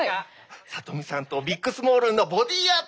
さとみさんとビックスモールンのボディーアート。